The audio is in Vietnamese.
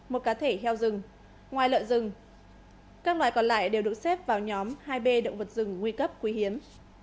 một cá thể heo rừng ngoài lợi rừng các loại còn lại đều được xếp vào nhóm hai b động vật rừng nguy cấp quý hiếm